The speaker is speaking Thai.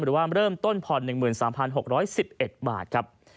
หรือว่าเริ่มต้นผ่อน๑๓๖๑๑บาทครับ